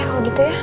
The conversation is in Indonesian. kalau gitu ya